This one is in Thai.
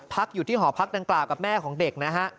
พักอยู่ที่หอพักดังกล่าวกับแม่ของเด็กนะฮะ